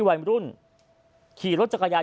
วัยรุ่นขี่รถจักรยาน